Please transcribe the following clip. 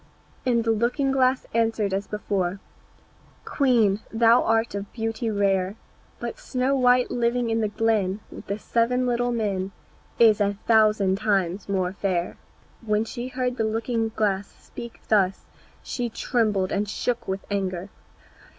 And the looking glass answered as before, "Queen, thou art of beauty rare, But Snow white living in the glen With the seven little men Is a thousand times more fair." When she heard the looking glass speak thus she trembled and shook with anger.